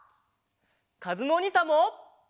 かずむおにいさんも。